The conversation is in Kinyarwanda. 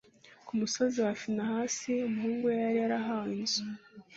ku musozi wa Finehasi umuhungu we yari yarahawe inzu